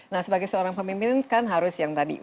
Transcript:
nah sebagai seorang pemimpin kan harus yang tadi